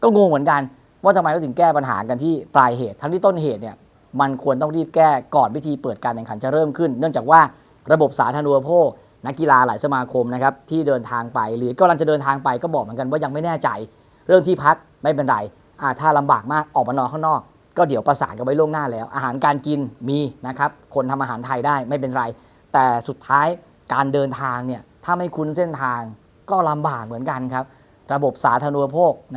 เนี้ยมันควรต้องรีบแก้ก่อนวิธีเปิดการแบ่งขันจะเริ่มขึ้นเนื่องจากว่าระบบสาธารณูปโภคนักกีฬาหลายสมาคมนะครับที่เดินทางไปหรือกำลังจะเดินทางไปก็บอกเหมือนกันว่ายังไม่แน่ใจเรื่องที่พักไม่เป็นไรอ่าถ้าลำบากมากออกมานอนข้างนอกก็เดี๋ยวประสานกันไว้โลกหน้าแล้วอาหารการกินมีนะครับคน